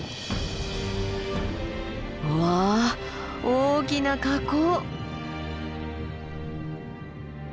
わあ大きな火口。